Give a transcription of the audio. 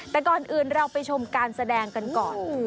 แต่ก่อนอื่นเราไปชมการแสดงกันก่อน